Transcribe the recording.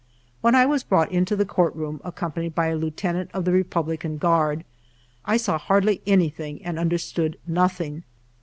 When I was brought into the court room ac companied by a Lieutenant of the Republican Guard, I saw hardly anything and understood nothing.